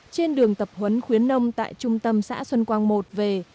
trên đường tập huấn khuyến nông tại trung tâm xã xuân quang một về